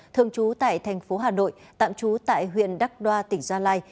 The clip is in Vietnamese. thường trú tại thành phố hà nội tạm trú tại huyện đắc đoa tỉnh gia lai